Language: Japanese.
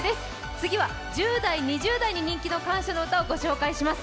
次は１０代、２０代に人気の感謝のうたを紹介します。